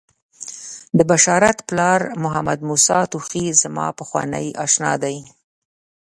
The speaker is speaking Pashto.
د بشارت پلار محمدموسی توخی زما پخوانی آشنا دی.